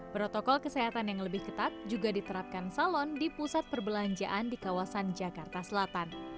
protokol kesehatan yang lebih ketat juga diterapkan salon di pusat perbelanjaan di kawasan jakarta selatan